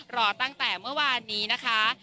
รอตั้งแต่เมื่อวานนี้นะคะ